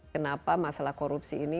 kenapa masalah korupsi ini